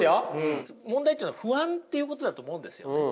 問題というのは不安っていうことだと思うんですよね。